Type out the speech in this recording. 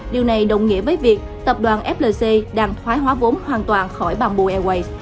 điều này đồng nghĩa với việc tập đoàn flc đang thoái hóa vốn hoàn toàn khỏi bamboo airways